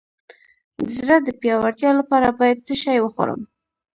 د زړه د پیاوړتیا لپاره باید څه شی وخورم؟